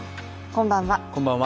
こんばんは。